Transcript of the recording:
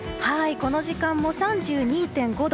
この時間も３２．５度。